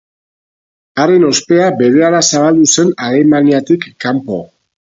Haren ospea berehala zabaldu zen Alemaniatik kanpo.